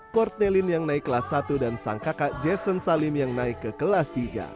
courtnelin yang naik kelas satu dan sang kakak jason salim yang naik ke kelas tiga